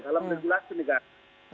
dalam regulasi negara